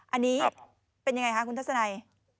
อันนี้เป็นยังไงคะคุณทัศนัย